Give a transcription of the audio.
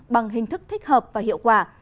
bằng hình thức thích hợp và hiệu quả